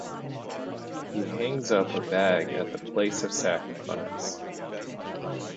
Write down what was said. He hangs up a bag at the place of sacrifice.